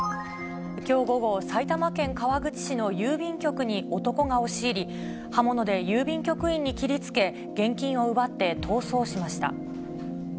きょう午後、埼玉県川口市の郵便局に男が押し入り、刃物で郵便局員に切りつけ、現金を奪って逃走しました。